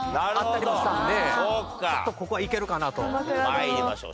参りましょう。